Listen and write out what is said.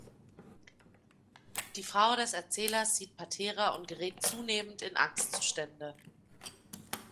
Die Frau des Erzählers sieht Patera und gerät zunehmend in Angstzustände.